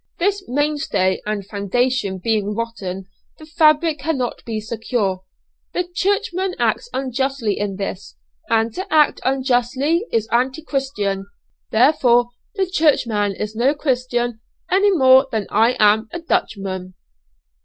This mainstay and foundation being rotten, the fabric cannot be secure. The churchman acts unjustly in this, and to act unjustly is anti christian: therefore the churchman is no Christian any more than I am a Dutchman."